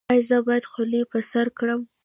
ایا زه باید خولۍ په سر کړم؟